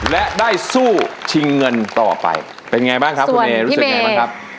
และได้สู้ชิงเงินต่อไปเป็นไงบ้างครับคุณเอรู้สึกไงบ้างครับ